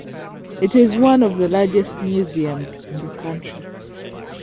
It is one of the largest museums in the country.